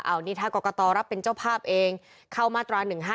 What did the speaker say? อันนี้ถ้ากรกตรับเป็นเจ้าภาพเองเข้ามาตรา๑๕